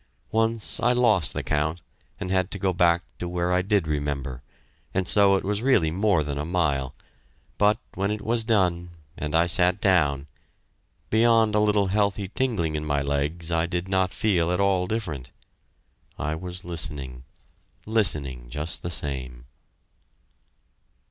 Once I lost the count and had to go back to where I did remember, and so it was really more than a mile. But when it was done, and I sat down, beyond a little healthy tingling in my legs I did not feel at all different. I was listening listening just the same.